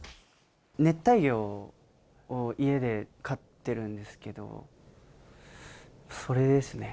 熱帯魚を家で飼ってるんですけど、それですね。